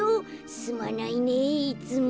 「すまないねぇいつも」。